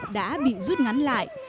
đã bị rút ngắn lại